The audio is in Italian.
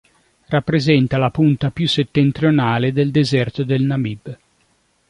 Rappresenta la punta più settentrionale del deserto del Namib.